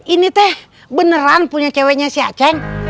ini teh beneran punya ceweknya si aceh